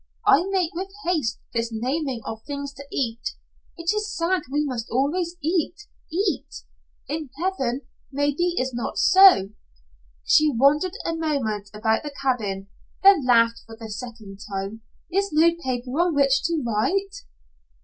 I make with haste this naming of things to eat. It is sad we must always eat eat. In heaven maybe is not so." She wandered a moment about the cabin, then laughed for the second time. "Is no paper on which to write."